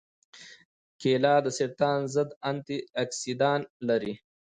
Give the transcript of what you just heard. کېله د سرطان ضد انتياکسیدان لري.